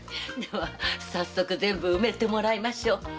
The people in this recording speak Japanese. では早速全部埋めてもらいましょう。